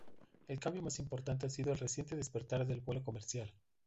El cambio más importante ha sido el reciente despertar del vuelo comercial.